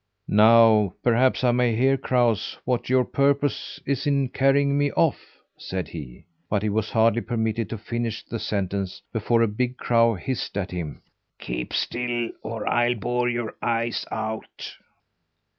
"Now perhaps I may hear, crows, what your purpose is in carrying me off", said he. But he was hardly permitted to finish the sentence before a big crow hissed at him: "Keep still! or I'll bore your eyes out."